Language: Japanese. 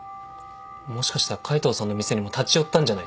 もしかしたら海藤さんの店にも立ち寄ったんじゃないですか？